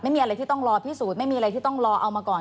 ไม่มีอะไรที่ต้องรอพิสูจน์ไม่มีอะไรที่ต้องรอเอามาก่อน